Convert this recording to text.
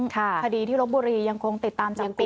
คดีที่ลบบุรียังคงติดตามจับกลุ่ม